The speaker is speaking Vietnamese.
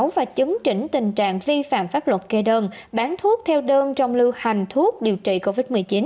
và chứng chỉnh tình trạng vi phạm pháp luật kê đơn bán thuốc theo đơn trong lưu hành thuốc điều trị covid một mươi chín